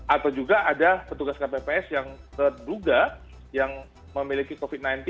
atau juga ada petugas kpps yang terduga yang memiliki covid sembilan belas